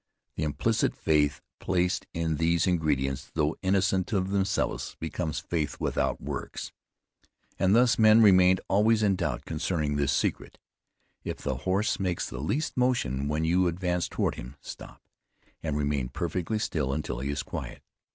The implicit faith placed in these ingredients, though innocent of themselves, becomes 'faith without works.' And thus men remained always in doubt concerning this secret. If the horse makes the least motion when you advance toward him, stop, and remain perfectly still until he is quiet.